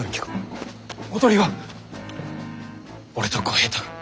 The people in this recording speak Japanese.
おとりは俺と小平太が。